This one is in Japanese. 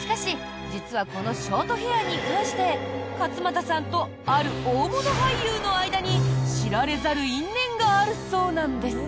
しかし、実はこのショートヘアに関して勝俣さんとある大物俳優の間に知られざる因縁があるそうなんです。